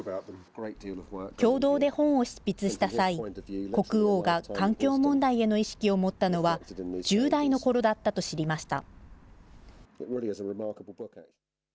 共同で本を執筆した際、国王が環境問題への意識を持ったのは、１０代のころだったと知りました。